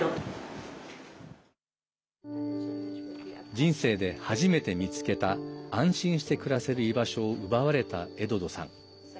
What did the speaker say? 人生で初めて見つけた安心して暮らせる居場所を奪われたエドドさん。